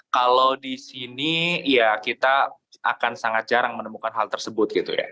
kalau di sini ya kita akan sangat jarang menemukan hal tersebut gitu ya